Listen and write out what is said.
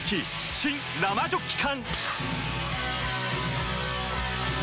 新・生ジョッキ缶！